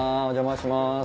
お邪魔します。